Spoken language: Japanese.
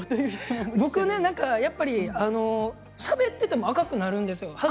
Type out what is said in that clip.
僕は、しゃべっていても赤くなるんですよ。